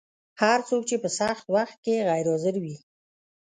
هغه څوک چې په سخت وخت کي غیر حاضر وي